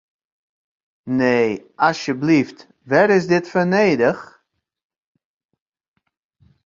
Nee, asjeblyft, wêr is dit foar nedich?